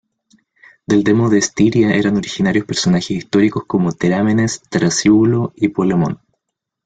Del demo de Estiria eran originarios personajes históricos como Terámenes, Trasíbulo y Polemón.